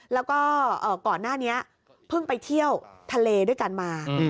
แล้วก็ก่อนหน้านี้เพิ่งไปเที่ยวทะเลด้วยกันมา